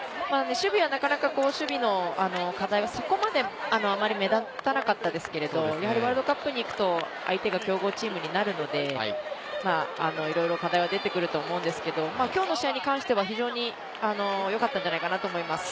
守備はなかなか課題はあんまり目立たなかったですけれども、ワールドカップに行くと相手が強豪チームになるので、いろいろ課題は出てくると思うんですけれども、きょうの試合に関しては非常に良かったんじゃないかなと思います。